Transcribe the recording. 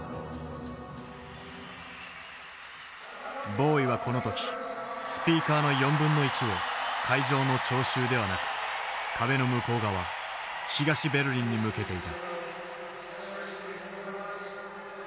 ボウイはこの時スピーカーの1/4を会場の聴衆ではなく壁の向こう側東ベルリンに向けていた。